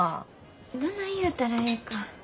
どない言うたらええか。